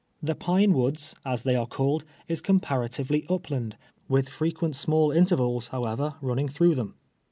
Tlie Pine Woods, as they are called, is com paratively upland, M itli frequent small intervals, how ever, running through them.